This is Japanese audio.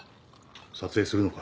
撮影するのか？